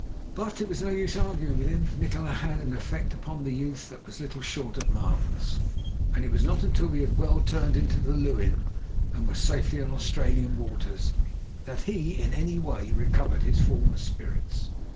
But it was no use arguing with him. Nikola had had an effect upon the youth that was little short of marvellous, and it was not until we had well turned the Leuwin, and were safely in Australian waters, that he in any way recovered his former spirits.